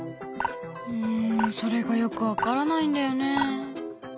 うんそれがよく分からないんだよね。